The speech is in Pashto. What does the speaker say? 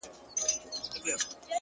ښكلي چي گوري؛ دا بيا خوره سي؛